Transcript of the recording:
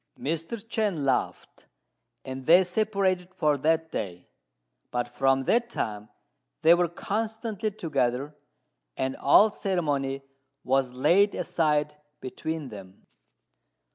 Mr. Chên laughed, and they separated for that day; but from that time they were constantly together, and all ceremony was laid aside between them.